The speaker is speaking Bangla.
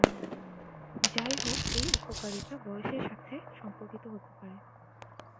যাইহোক, এই উপকারিতা বয়সের সাথে সম্পর্কিত হতে পারে।